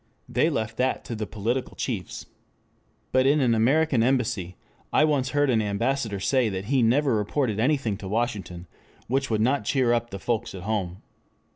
They left that to the political chiefs. But in an American Embassy I once heard an ambassador say that he never reported anything to Washington which would not cheer up the folks at home.